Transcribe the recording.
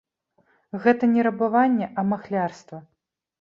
Гэта не рабаванне, а махлярства.